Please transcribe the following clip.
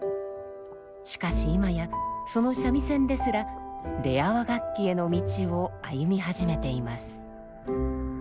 しかし今やその三味線ですらレア和楽器への道を歩み始めています。